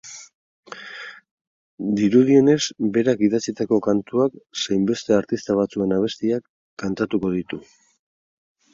Dirudienez, berak idatzitako kantuak zein beste artista batzuen abestiak kantatuko ditu.